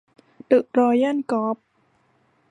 เดอะรอยัลกอล์ฟ